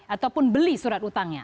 ataupun beli surat utangnya